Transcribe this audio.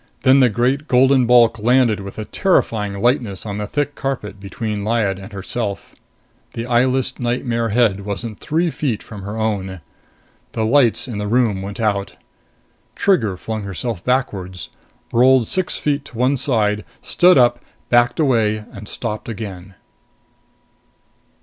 Then the great golden bulk landed with a terrifying lightness on the thick carpet between Lyad and herself. The eyeless nightmare head wasn't three feet from her own. The lights in the room went out. Trigger flung herself backwards, rolled six feet to one side, stood up, backed away and stopped again.